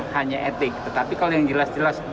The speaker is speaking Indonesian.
hanya etik tetapi kalau yang jelas jelas